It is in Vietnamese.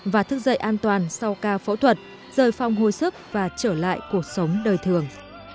và thức dậy an toàn sau ca phẫu thuật rời phong hồi sức và trở lại cuộc sống đời thường